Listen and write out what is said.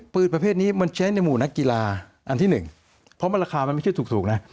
ประเภทนี้มันใช้ในหมู่นักกีฬาอันที่หนึ่งเพราะราคามันไม่ใช่ถูกนะ